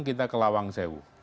kita ke lawang sewu